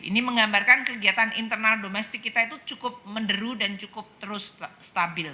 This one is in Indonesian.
ini menggambarkan kegiatan internal domestik kita itu cukup menderu dan cukup terus stabil